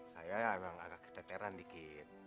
saya emang agak keteteran dikit